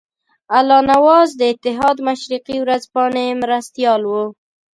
الله نواز د اتحاد مشرقي ورځپاڼې مرستیال وو.